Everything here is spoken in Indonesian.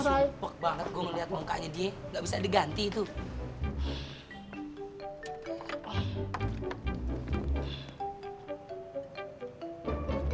epok banget gue ngeliat mukanya dia nggak bisa diganti tuh